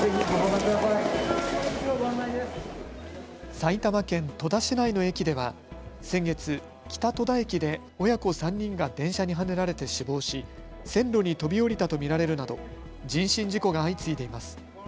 埼玉県戸田市内の駅では先月、北戸田駅で親子３人が電車にはねられて死亡し線路に飛び降りたと見られるなど人身事故が相次いでいます。